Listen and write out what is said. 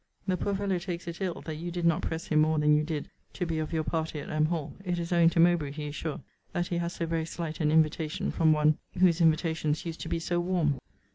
The poor fellow takes it ill, that you did not press him more than you did to be of your party at M. Hall. It is owing to Mowbray, he is sure, that he had so very slight an invitation from one whose invitations used to be so warm.